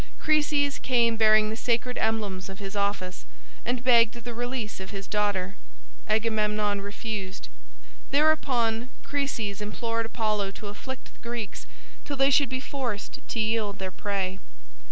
Chryses came bearing the sacred emblems of his office, and begged the release of his daughter. Agamemnon refused. Thereupon Chryses implored Apollo to afflict the Greeks till they should be forced to yield their prey.